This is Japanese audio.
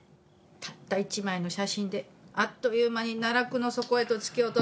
たった一枚の写真であっという間に奈落の底へと突き落とす。